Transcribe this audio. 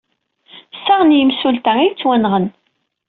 Sa n yimsulta ay yettwenɣen.